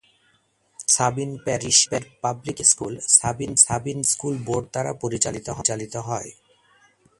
Sabin Parish এর public school Sabine Parish school board দ্বারা পরিচালিত হয়।